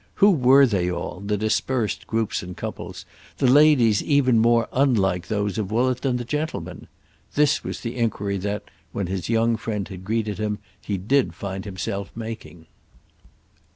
Who were they all, the dispersed groups and couples, the ladies even more unlike those of Woollett than the gentlemen?—this was the enquiry that, when his young friend had greeted him, he did find himself making.